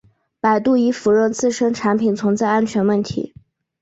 百度已否认自身产品存在安全问题。